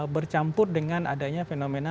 bercampur dengan adanya fenomena